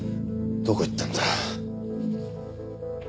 どこ行ったんだ。